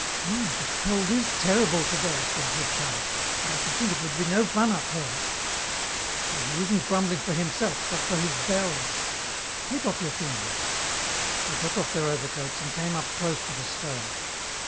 "My, the cold is terrible today," said Durtal, "and I should think it would be no fun up there." "Oh, he isn't grumbling for himself but for his bells. Take off your things." They took off their overcoats and came up close to the stove.